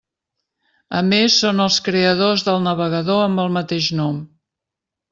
A més són els creadors del navegador amb el mateix nom.